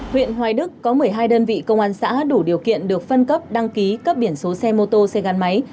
huyện hoài đức có một mươi hai đơn vị công an xã đủ điều kiện được phân cấp đăng ký cấp biển số xe mô tô xe gắn máy